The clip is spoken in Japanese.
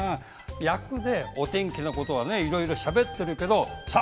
役でお天気のことはねいろいろしゃべってるけどさあ